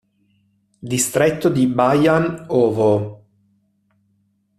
Distretto di Bajan-Ovoo